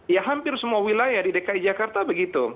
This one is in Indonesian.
ya hampir semua wilayah di dki jakarta begitu